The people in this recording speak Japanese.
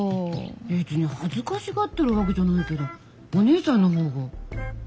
別に恥ずかしがってるわけじゃないけどお姉さんの方が上手でしょ。